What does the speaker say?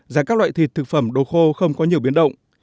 giá các loại thịt thực phẩm đồ khô không có nhiều biến động